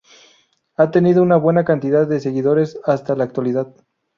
Ha tenido una buena cantidad de seguidores hasta la actualidad.